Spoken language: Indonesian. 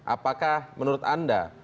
apakah menurut anda